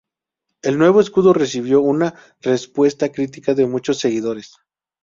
El nuevo escudo recibió una respuesta crítica de muchos seguidores.